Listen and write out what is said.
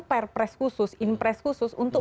perpres khusus impres khusus untuk